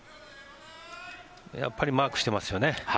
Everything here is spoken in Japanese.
やっぱりマークしてますよね。